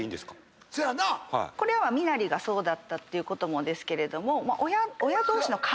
これ身なりがそうだったっていうこともですけれども。